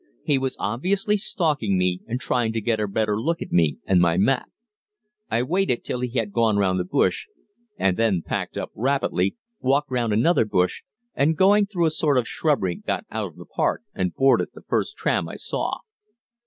He was obviously stalking me and trying to get a better look at me and my map. I waited till he had gone round a bush and then packed up rapidly, walked round another bush, and going through a sort of shrubbery got out of the park and boarded the first tram I saw.